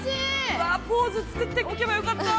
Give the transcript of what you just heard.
うわポーズ作っておけばよかった。